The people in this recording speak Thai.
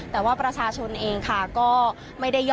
แต่ว่าประชาชนเองค่ะก็ไม่ได้ย่อ